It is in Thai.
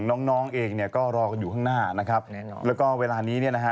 พ้นดำควรไปอยู่ในท่ำอยู่เลยนะ